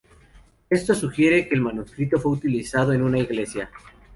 Esto sugiere que el manuscrito fue utilizado en una iglesia.